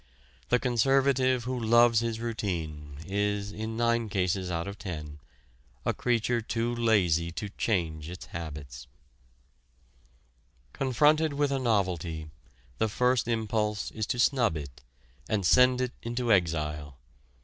The conservative who loves his routine is in nine cases out of ten a creature too lazy to change its habits. Confronted with a novelty, the first impulse is to snub it, and send it into exile.